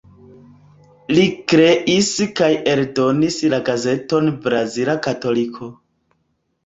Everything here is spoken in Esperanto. Li kreis kaj eldonis la gazeton Brazila Katoliko.